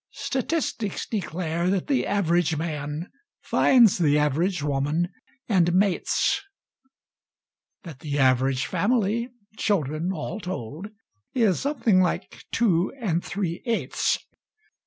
Statistics declare that the Average ManFinds the Average Woman and mates; That the Average Family, children all told, Is something like two and three eighths.